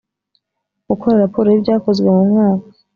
gukora raporo y ibyakozwe mu mwaka